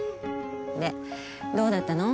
でどうだったの？